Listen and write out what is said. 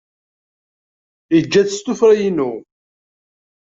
Iga-t s tuffra-inu.